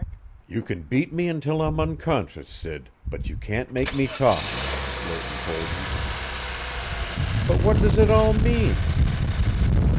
"You can beat me until I'm unconscious, Sid, but you can't make me talk!" Lerton told him. "But what does it all mean?"